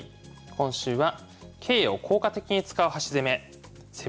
今週は「桂を効果的に使う端攻め」。